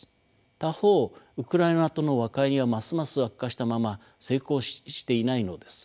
他方ウクライナとの和解にはますます悪化したまま成功していないのです。